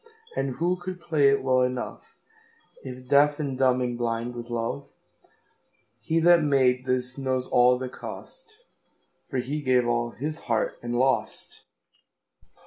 And who could play it well enoughIf deaf and dumb and blind with love? He that made this knows all the cost, For he gave all his heart and lost.